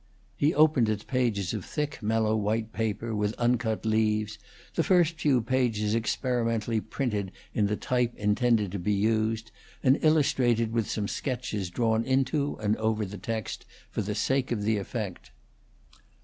He opened its pages of thick, mellow white paper, with uncut leaves, the first few pages experimentally printed in the type intended to be used, and illustrated with some sketches drawn into and over the text, for the sake of the effect.